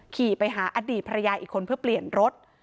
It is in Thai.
ขี่ไปหาอดีตภรรยาอีกคนเพื่อเปลี่ยนรถ